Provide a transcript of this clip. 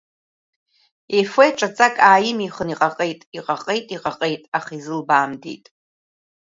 Ефе ҿаҵак аамихын иҟаҟеит, иҟаҟеит, иҟаҟеит, аха изылбаамдеит.